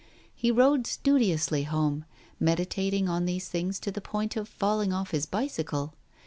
He rode studiously home, meditating on these things to the point of falling off his bicycle.